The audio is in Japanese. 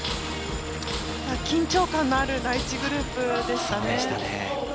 緊張感のある第１グループでしたね。